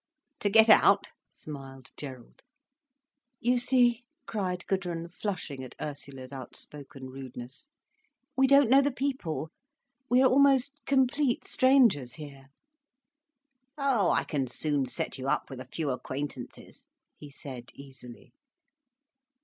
"To get out?" smiled Gerald. "You see," cried Gudrun, flushing at Ursula's outspoken rudeness, "we don't know the people, we are almost complete strangers here." "Oh, I can soon set you up with a few acquaintances," he said easily.